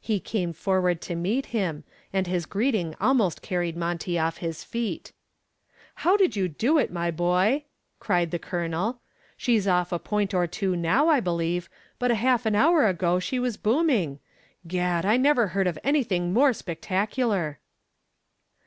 He came forward to meet him and his greeting almost carried Monty off his feet. "How did you do it, my boy?" cried the Colonel. "She's off a point or two now, I believe, but half an hour ago she was booming. Gad, I never heard of anything more spectacular!"